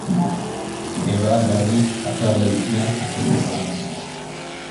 Eva, berriz, haserre bizian, etxetik joan egin zen.